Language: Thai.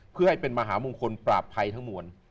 เพื่อให้เป็นมหามงคลปราบภัยทั้งมวล